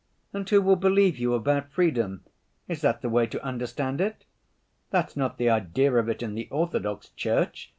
And who will believe you about freedom? Is that the way to understand it? That's not the idea of it in the Orthodox Church....